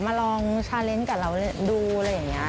มาลองชาเลนส์กับเราดูอะไรอย่างนี้